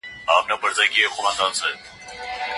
د نورو مذهبونو درناوی کول اړین دي.